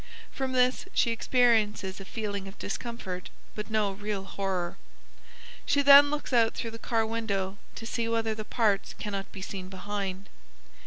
(From this she experiences a feeling of discomfort but no real horror.) She then looks out through the car window to see whether the parts cannot be seen behind.